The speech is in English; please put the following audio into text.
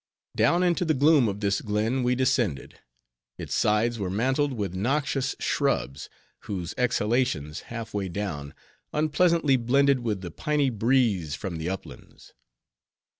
Down into the gloom of this glen we descended. Its sides were mantled with noxious shrubs, whose exhalations, half way down, unpleasantly blended with the piny breeze from the uplands.